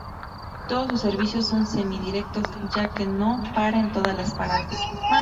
Todos sus servicios son semi-directos, ya que no para en todas las paradas.